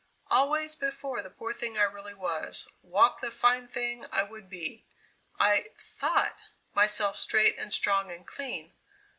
"Always before the poor thing I really was, walked the fine thing I would be. I thought myself straight and strong and clean.